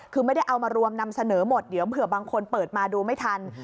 คือไม่ได้เอามารวมนำเสนอหมดเดี๋ยวเผื่อบางคนเปิดมาดูไม่ทัน